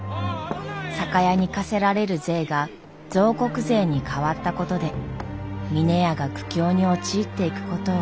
酒屋に課せられる税が造石税に変わったことで峰屋が苦境に陥っていくことを。